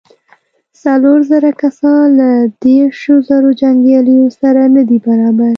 څلور زره کسان له دېرشو زرو جنګياليو سره نه دې برابر.